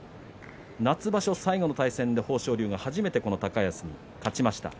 夏場所最後の対戦で豊昇龍が初めてこの高安に勝ちました。